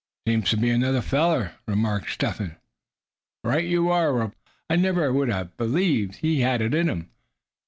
"Seems to be another feller," remarked Step Hen. "Right you are," replied Giraffe. "I never would have believed he had it in him.